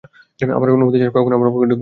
আমার অনুমতি ছাড়া কখনও আমার কক্ষে ঢুকবে না!